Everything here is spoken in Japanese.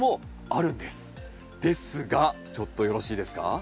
ですがちょっとよろしいですか？